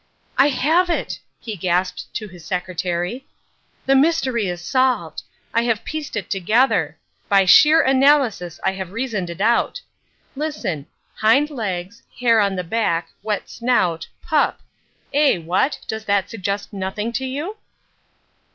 "I have it," he gasped to his secretary. "The mystery is solved. I have pieced it together. By sheer analysis I have reasoned it out. Listen—hind legs, hair on back, wet snout, pup—eh, what? does that suggest nothing to you?"